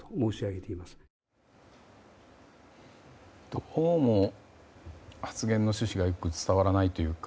どうも発言の趣旨がよく伝わらないというか。